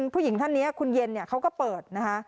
ผู้หญิงท่านนี้คุณเย็นเขาก็เปิดนะคะ